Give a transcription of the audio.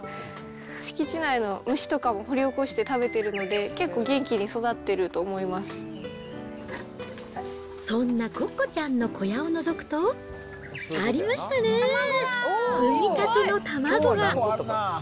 敷地内の虫とかも掘り起こして食べてるので、結構元気に育ってるそんなコッコちゃんの小屋をのぞくと、ありましたね、産みたての卵が。